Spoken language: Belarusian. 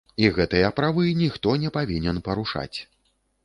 І гэтыя правы ніхто не павінен парушаць.